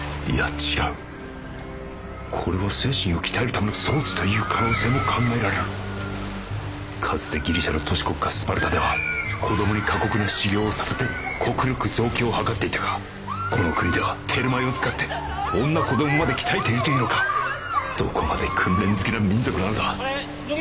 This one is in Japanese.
違うこれは精神を鍛えるための装置という可能性も考えられるかつてギリシャの都市国家スパルタでは子供に過酷な修行をさせて国力増強を図っていたがこの国ではテルマエを使って女子供まで鍛えているというのかどこまで訓練好きな民族なのだあれ？